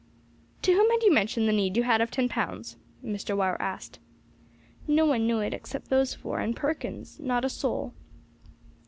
"To whom had you mentioned the need you had of ten pounds?" Mr. Wire asked. "No one knew it except those four and Perkins, not a soul."